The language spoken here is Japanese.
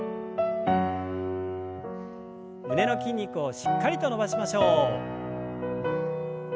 胸の筋肉をしっかりと伸ばしましょう。